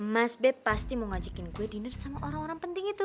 mas bep pasti mau ngajakin gue dinner sama orang orang penting itu